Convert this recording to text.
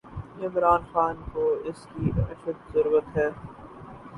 عمران خان کواس کی اشدضرورت ہے۔